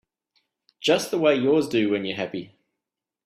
Just the way yours do when you're happy.